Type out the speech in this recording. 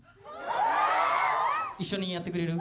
一緒にやってくれる？